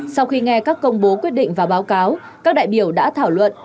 sau khi nghe các công bố quyết định và báo cáo các đại biểu đã thảo luận